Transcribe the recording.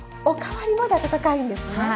おかわりまで温かいんですね。